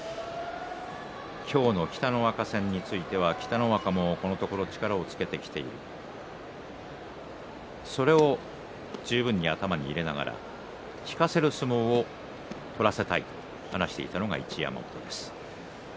今日の北の若戦について北の若も、このところ力をつけてきているそれを十分に頭に入れながら引かせる相撲を取らせたいという話をしていた一山本です。